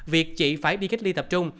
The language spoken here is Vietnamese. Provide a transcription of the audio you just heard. việc chị phải đi cách ly tập trung